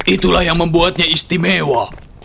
itulah yang membuatnya istimewa